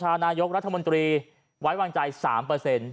นายกรัฐมนตรีไว้วางใจ๓เปอร์เซ็นต์